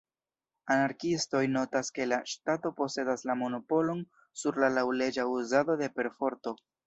Anarkiistoj notas ke la ŝtato posedas la monopolon sur la laŭleĝa uzado de perforto.